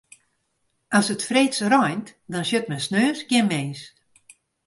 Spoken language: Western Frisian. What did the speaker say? As it freeds reint, dan sjocht men sneons gjin mins.